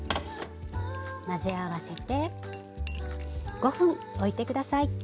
混ぜ合わせて５分おいて下さい。